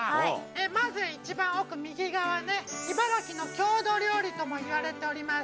まず一番奥右側ね茨城の郷土料理ともいわれております